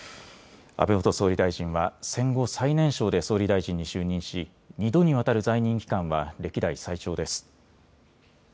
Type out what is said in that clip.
安倍元総理大臣は戦後最年少で総理大臣に就任し２度にわたる在任期間は歴代最長です。